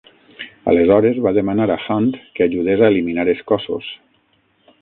Aleshores es va demanar a Hunt que ajudés a eliminar els cossos.